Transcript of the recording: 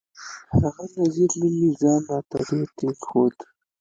هغه نذير نومي ځان راته ډېر ټينګ ښوده.